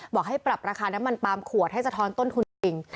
บอกให้ปรับราคาน้ำมันปาล์มขวดให้สะท้อนต้นทุนจริง